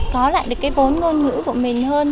có lại được cái vốn ngôn ngữ của mình hơn